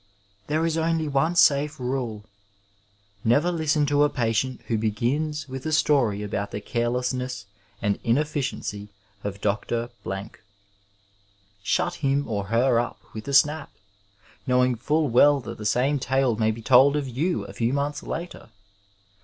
There is only cme safe nde — ^never listen to a patient who begins with a story about the carelessness and inefficiency of Dr. Blank. Shut him or her up with a snap, knowing full well that the same tale may be told of you a few months later.